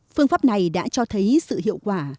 phương pháp này đã cho thấy sự hiệu quả